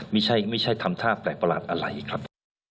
ไม่ใช่ทำท่าแปลกประหลาดอะไรครับ